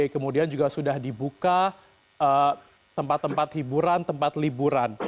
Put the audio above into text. kemudian juga sudah dibuka tempat tempat hiburan tempat liburan